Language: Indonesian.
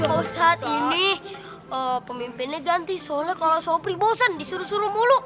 pak ustadz ini pemimpinnya ganti soalnya kalau soprih bosan disuruh suruh mulu